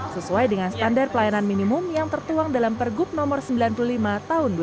sesuai dengan standar pelayanan minimum yang tertuang dalam pergub nomor sembilan puluh lima tahun dua ribu dua